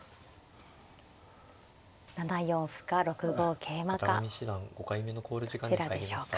７四歩か６五桂馬かどちらでしょうか。